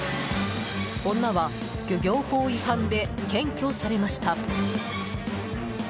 女は漁業法違反で検挙されました。